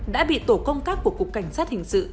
đã bị tổ công tác của cục cảnh sát hình sự